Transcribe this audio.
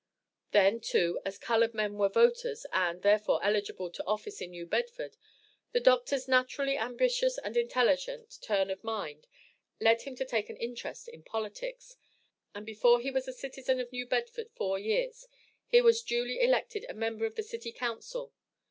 Then, too, as colored men were voters and, therefore, eligible to office in New Bedford, the Doctor's naturally ambitious and intelligent, turn of mind led him to take an interest in politics, and before he was a citizen of New Bedford four years, he was duly elected a member of the City Council.